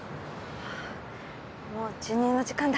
もう授乳の時間だ。